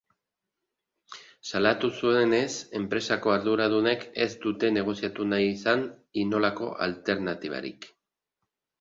Salatu zuenez, enpresako arduradunek ez dute negoziatu nahi izan inolako alternatibarik.